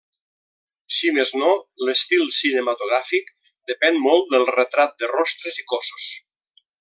Si més no l'estil cinematogràfic depèn molt del retrat de rostres i cossos.